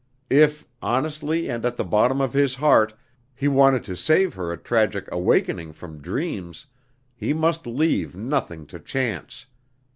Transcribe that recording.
If, honestly and at the bottom of his heart he wanted to save her a tragic awakening from dreams, he must leave nothing to chance.